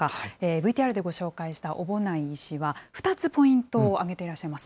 ＶＴＲでご紹介した小保内医師は、２つポイントを挙げていらっしゃいます。